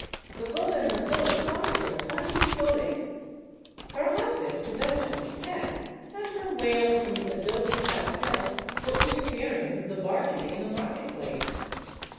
The gobernador fined her twenty soles. Her husband pos sessed only ten, and her wails from the adobe carcel were interfering with the bargaining in the market place.